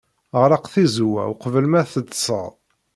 Ɣleq tizewwa uqbel ma teḍḍseḍ.